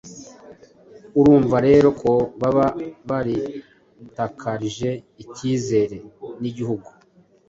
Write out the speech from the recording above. Urumva rero ko baba baritakarije ikizere n’igihugu